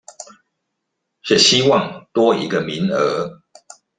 是希望多一個名額